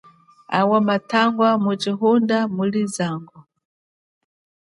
Awa mathangwa mutshihunda muli zungo.